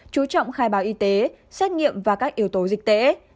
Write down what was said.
chú trọng khai báo y tế xét nghiệm và các yếu tố dịch tễ